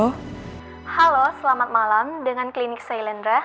halo selamat malam dengan klinik sailendra